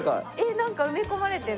なんか埋め込まれてる。